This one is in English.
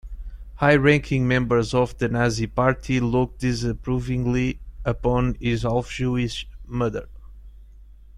High-ranking members of the Nazi Party looked disapprovingly upon his half-Jewish mother.